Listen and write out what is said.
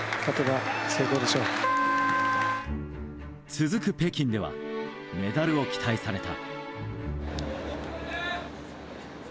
続く北京ではメダルを期待された。